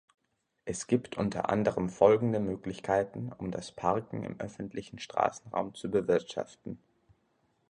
Es gibt unter anderem folgende Möglichkeiten, um das Parken im öffentlichen Straßenraum zu bewirtschaften.